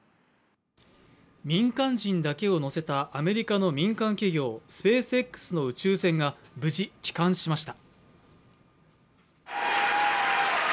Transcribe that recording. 民間人だけを乗せたアメリカの民間企業、スペースＸの宇宙船が無事帰還しました。